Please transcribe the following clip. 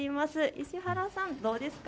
石原さん、どうですか。